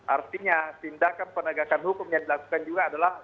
artinya tindakan penegakan hukum yang dilakukan juga adalah